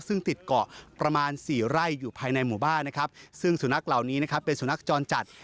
ซึ่งติดเกาะประมาณสี่ไร่อยู่ภายในหมู่บ้านนะครับซึ่งสุนัขเหล่านี้นะครับเป็นสุนัขจรจัด